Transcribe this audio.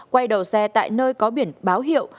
quay đầu xe tại nơi có biển báo hiệu